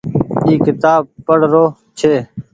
اي ڪيتآب پڙ رو ڇي۔